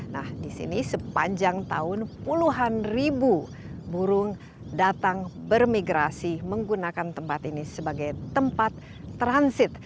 nah di sini sepanjang tahun puluhan ribu burung datang bermigrasi menggunakan tempat ini sebagai tempat transit